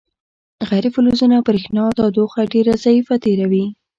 غیر فلزونه برېښنا او تودوخه ډیره ضعیفه تیروي.